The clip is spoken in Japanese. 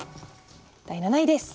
第７位です。